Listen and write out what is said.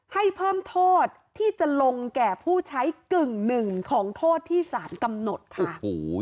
ให้เพิ่มโทษที่จะลงแก่ผู้ใช้กึ่งหนึ่งของโทษที่สารกำหนดค่ะ